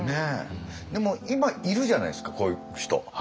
でも今いるじゃないですかこういう人。